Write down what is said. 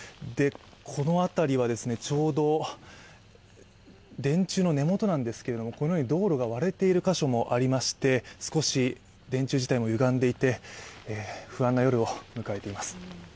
この辺りはちょうど、電柱の根元なんですけどこのように道路が割れている箇所もありまして、少し電柱自体もゆがんでいて、不安な夜を迎えています。